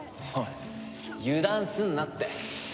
おい油断すんなって。